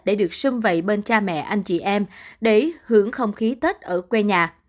để được xâm vầy bên cha mẹ anh chị em để hưởng không khí tết ở quê nhà